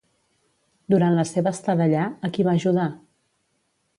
Durant la seva estada allà, a qui va ajudar?